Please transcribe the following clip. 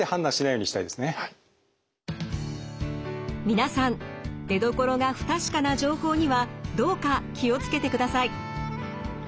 皆さん出どころが不確かな情報にはどうか気を付けてください。